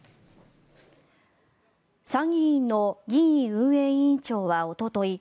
参議院の議院運営委員長はおととい